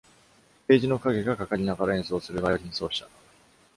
ケージの影がかかりながら演奏をするバイオリン奏者